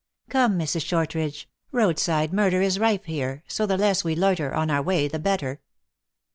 Come, Mrs. Shortridge, road side murder is rife here, so the less we loiter on our way the better."